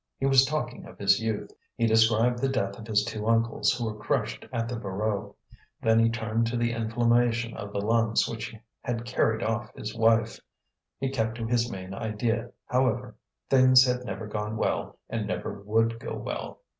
He was talking of his youth; he described the death of his two uncles who were crushed at the Voreux; then he turned to the inflammation of the lungs which had carried off his wife. He kept to his main idea, however: things had never gone well and never would go well.